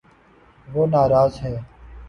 وہ نا راض ہے